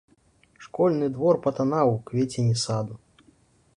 Школьны двор патанаў у квецені саду.